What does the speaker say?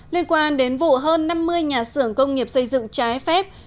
liên quan đến vụ hơn năm mươi nhà xưởng công nghiệp xây dựng trái phép